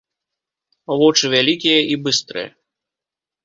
Вочы вялікія і быстрыя.